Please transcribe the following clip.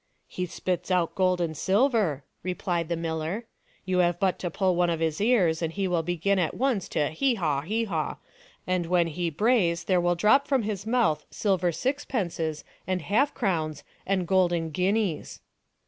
"He spits out gold and silver," replied the miller. <c You have but to pull one of his ears and he will begin at once to c He haw ! he haw !' and when he brays there will drop from his mouth silver six pences and half crowns and golden guineas."